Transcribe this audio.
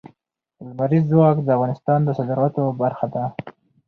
لمریز ځواک د افغانستان د صادراتو برخه ده.